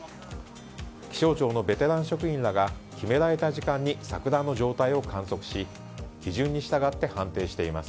気象庁のベテラン職員らが決められた時間に桜の状態を観測し基準に従って判定しています。